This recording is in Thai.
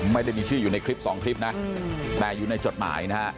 ไม่ได้มีชื่ออยู่ในคลิปสองคลิปนะแต่อยู่ในจดหมายนะฮะ